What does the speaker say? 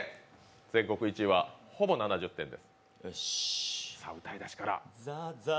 全国１位はほぼ７０点で。